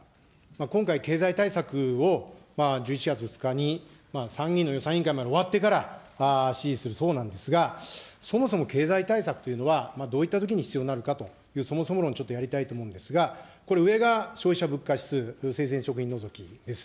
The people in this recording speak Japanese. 今回、経済対策を１１月２日に参議院の予算委員会まで終わってから、指示するそうなんですが、そもそも経済対策というのは、どういったときに必要なのかという、そもそも論、ちょっとやりたいと思うんですが、これ上が消費者物価指数、生鮮食品除きです。